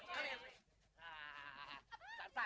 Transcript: jangan leperetak lagi cipin gue